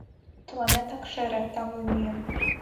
Тыланетак шере, тамле мӱйым